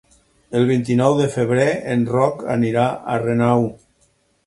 El vint-i-nou de febrer en Roc anirà a Renau.